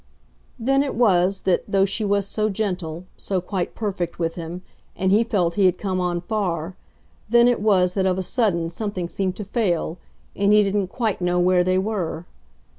Then it was that, though she was so gentle, so quite perfect with him, and he felt he had come on far then it was that of a sudden something seemed to fail and he didn't quite know where they were.